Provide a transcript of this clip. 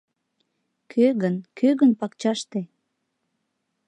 «Кӧ гын, кӧ гын пакчаште?